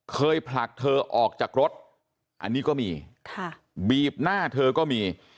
ผลักเธอออกจากรถอันนี้ก็มีค่ะบีบหน้าเธอก็มี